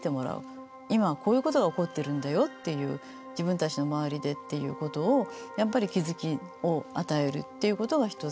「今はこういうことが起こってるんだよ」っていう「自分たちの周りで」っていうことをやっぱり気づきを与えるっていうことが一つ。